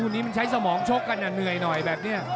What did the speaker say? คู่นี้มันใช้สมองชกค่ะเนื้อน่อยแบบเนี่ย